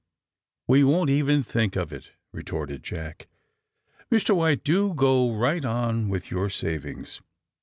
^'We won't even think of it," retorted Jack. *'Mr. "White, do go right on with your savings.